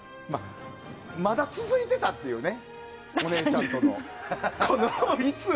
まだ続いていたっていうねお姉ちゃんとの。